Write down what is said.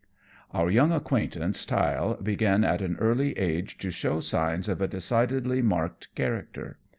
_ Our young acquaintance, Tyll, began at an early age to show signs of a decidedly marked character.